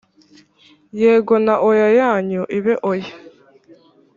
yego na oya yanyu ibe oya.